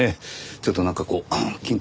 ちょっとなんかこう緊張しますね。